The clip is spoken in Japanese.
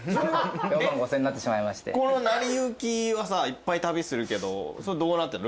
この『なりゆき』はさいっぱい旅するけどそれどうなってんの？